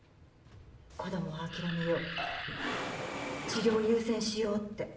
「子供は諦めよう治療優先しよう」って。